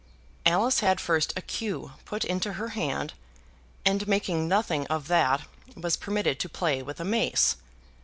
Alice had first a cue put into her hand, and making nothing of that was permitted to play with a mace.